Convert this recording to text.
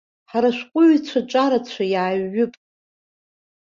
Ҳара ашәҟәыҩҩцәа ҿарацәа иааҩып.